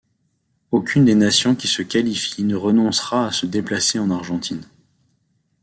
Aucune des nations qui se qualifient ne renoncera à se déplacer en Argentine.